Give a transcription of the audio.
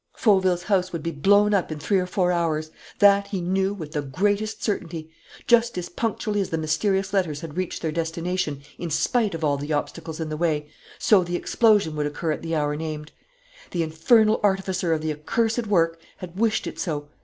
Fauville's house would be blown up in three or four hours. That he knew with the greatest certainty. Just as punctually as the mysterious letters had reached their destination in spite of all the obstacles in the way, so the explosion would occur at the hour named. The infernal artificer of the accursed work had wished it so.